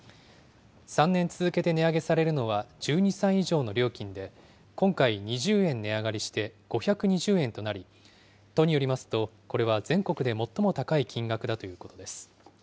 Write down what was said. ３年続けて値上げされるのは、１２歳以上の料金で、今回２０円値上がりして５２０円となり、都によりますと、これは全国で最も高い金額だということです。